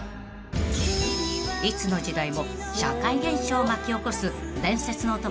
［いつの時代も社会現象を巻き起こす伝説の男